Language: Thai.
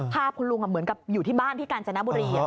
ภาพคุณลุงเหมือนกับอยู่ที่บ้านที่กาญจนบุรี